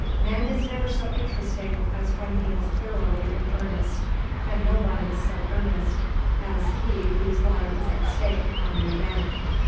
Man is never so interesting as when he is thoroughly in earnest, and no one is so earnest as he whose life is at stake upon the event.